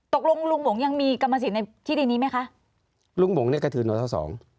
ตกลงลุงหมงยังมีกรรมสิทธิ์ในที่ดินนี้ไหมคะลุงหมงเนี่ยก็ถือนทศสอง